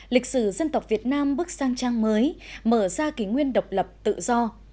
lịch sử dân tộc việt nam bước sang trang mới mở ra kỷ nguyên độc lập tự do